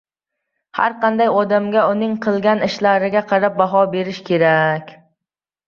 Xar qanday odamga uning qilgan ishlarigya qarab baho berish kerak.